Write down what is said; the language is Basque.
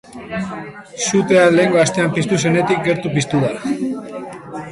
Sutea lehengo astean piztu zenetik gertu piztu da.